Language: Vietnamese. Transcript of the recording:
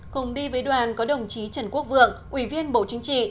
cùng đi với đoàn có đồng chí trần quốc vượng ủy viên bộ chính trị